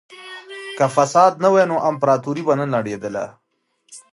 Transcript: که فساد نه وای نو امپراطورۍ به نه نړېده.